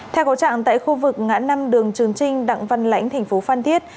theo cấu trạng tại khu vực ngã năm đường trường trinh đặng văn lãnh tp phan thiết